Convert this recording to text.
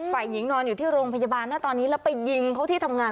ฝ่ายหญิงนอนอยู่ที่โรงพยาบาลนะตอนนี้แล้วไปยิงเขาที่ทำงาน